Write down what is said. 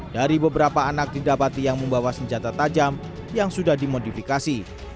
dari beberapa anak didapati yang membawa senjata tajam yang sudah dimodifikasi